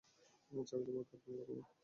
আচ্ছা, আমি তোমাকে আর ফোন করবো না।